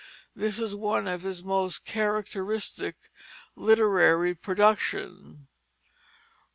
This is one of his most characteristic literary productions.